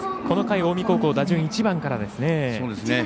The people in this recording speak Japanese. この回、近江高校打順１番からです。